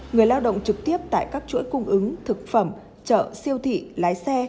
người lao động trực tiếp tại các chuỗi cung ứng thực phẩm chợ siêu thị lái xe